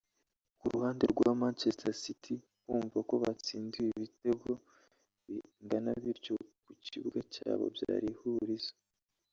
Ku ruhande rwa Manchester City kumva uko batsindiwe ibitego bingana bityo ku kibuga cyabo byari ihurizo